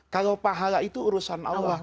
kalau pahala itu urusan allah